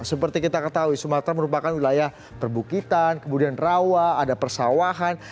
seperti kita ketahui sumatera merupakan wilayah perbukitan kemudian rawa ada persawahan